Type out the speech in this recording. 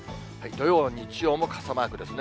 土曜、日曜も傘マークですね。